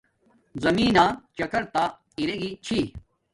زمین نا چکر تا ارے گی چھی